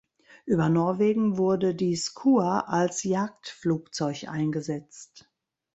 Über Norwegen wurde die Skua als Jagdflugzeug eingesetzt.